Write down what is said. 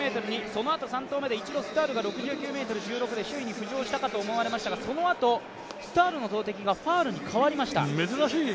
そのあと３投目で一度スタールが６９ｍ１６で首位に浮上したかと思われましたがスタールの投てきがファウルに変わりました。